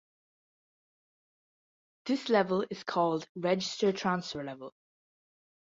This level is called "register-transfer level".